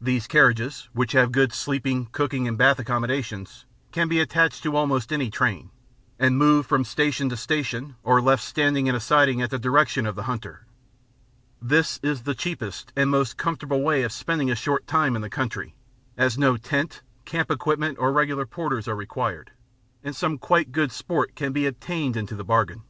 These carriages, which have good sleeping, cooking, and bath accommodation, can be attached to almost any train, and moved from station to station or left standing in a siding at the directions of the hunter. This is the cheapest and most comfortable way of spending a short time in the country, as no tent, camp equipment, or regular porters are required; and some quite good sport can be obtained into the bargain.